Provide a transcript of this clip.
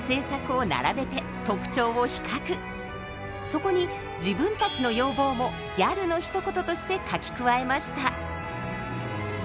そこに自分たちの要望も「ギャルのひと言」として書き加えました。